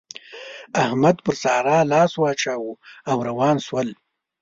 احمد پر سارا لاس واچاوو او روان شول.